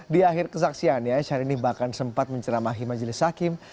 di akhir kesaksiannya syahrini bahkan sempat menceramahi majelis hakim